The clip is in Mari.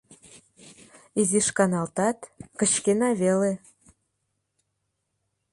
Изиш каналтат, кычкена веле.